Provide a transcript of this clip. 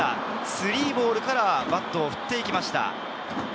３ボールからバットを振っていきました。